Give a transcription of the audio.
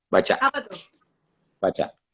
baca apa tuh baca